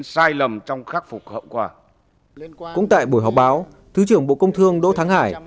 cũng tại buổi họp báo thứ trưởng bộ công thương đỗ thắng hải